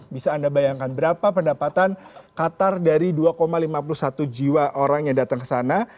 bisa anda bayangkan berapa pendapatan qatar dari dua lima puluh satu jiwa orang yang datang ke sana